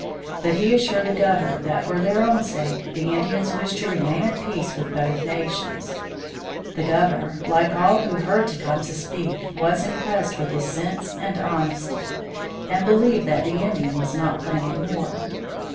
But he assured the governor that for their own sake the Indians wished to remain at peace with both nations. The Governor, like all who heard Tecumseh speak, was impressed with his sense and honesty, and believed that the Indians were not planning war.